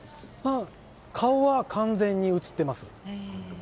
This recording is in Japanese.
顔は完全に写ってます。